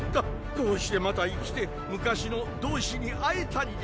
こうしてまた生きて昔の同志に会えたんじゃ。